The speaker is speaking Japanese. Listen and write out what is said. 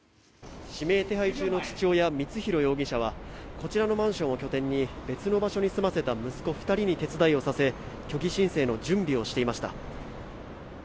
指名手配中の父親光弘容疑者はこちらのマンションを拠点に別の場所に住ませた息子２人に手伝いをさせ虚偽申請の準備をしていました。